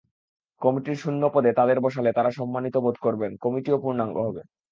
কমিটির শূন্য পদে তাঁদের বসালে তাঁরাও সম্মানিতবোধ করবেন, কমিটিও পূর্ণাঙ্গ হবে।